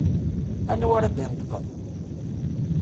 Anwa ara d-ineṭṭqen?